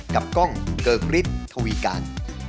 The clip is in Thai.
กับกล้องเกิร์กฤทธวีการ